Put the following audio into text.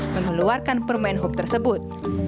mengeluarkan permain hub tersebut